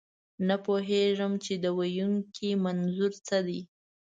نه پوهېږئ، چې د ویونکي منظور څه دی.